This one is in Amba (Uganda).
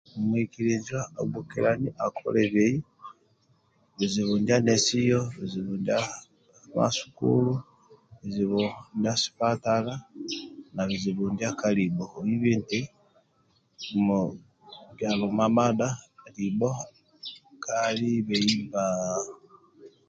Muikiliza agbokiliani akolebei bizubu ndia nesiyo bizibu ndia sukulu bizibu ndia sipatala bizibu ndia sipatala na bizibu ndia kalibho oibe nti kyalo mamadha libho kalibei bba